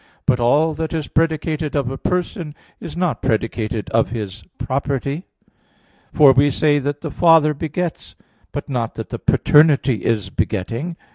But all that is predicated of a Person is not predicated of His property. For we say that the Father begets; but not that the paternity is begetting.